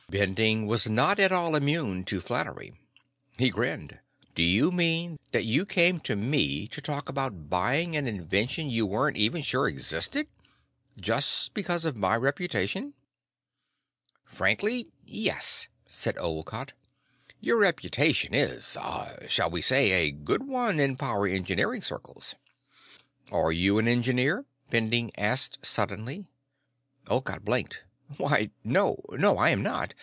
Bending was not at all immune to flattery. He grinned. "Do you mean that you came to me to talk about buying an invention you weren't even sure existed just because of my reputation?" "Frankly, yes," said Olcott. "Your reputation is ... ah ... shall we say, a good one in power engineering circles." "Are you an engineer?" Bending asked suddenly. Olcott blinked. "Why, no. No, I am not.